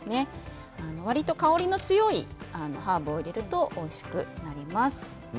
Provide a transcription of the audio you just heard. わりと香りの強いハーブを入れると、おいしくなります。